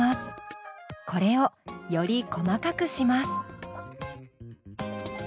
これをより細かくします。